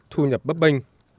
thu nhập bấp binh